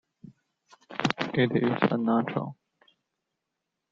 It is unnatural.